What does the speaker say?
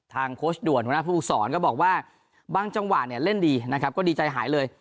โค้ชด่วนหัวหน้าผู้ฝึกศรก็บอกว่าบางจังหวะเนี่ยเล่นดีนะครับก็ดีใจหายเลย